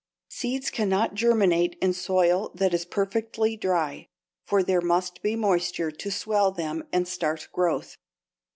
Seeds cannot germinate in soil that is perfectly dry, for there must be moisture to swell them and to start growth.